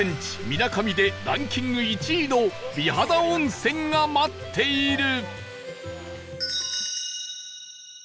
みなかみでランキング１位の美肌温泉が待っている